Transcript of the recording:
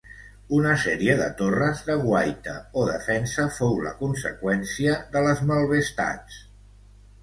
Una sèrie de torres, de guaita o defensa, fou la conseqüència de les malvestats.